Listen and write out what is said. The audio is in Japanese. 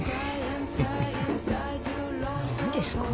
何ですか？